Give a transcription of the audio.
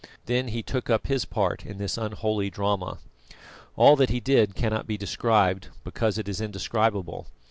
Then he took up his part in this unholy drama. All that he did cannot be described, because it is indescribable.